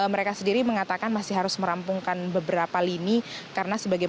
mereka sendiri mengatakan masih harus merampungkan beberapa lini